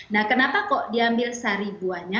nah kenapa kok diambil sari buahnya